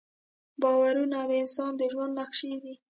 باورونه د انسان د ژوند نقشې دي.